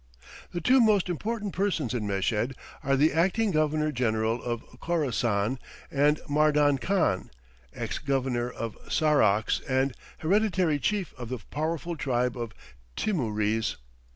The two most important persons in Meshed are the acting Governor General of Khorassan, and Mardan Khan, Ex Governor of Sarakhs and Hereditary Chief of the powerful tribe of Timurees.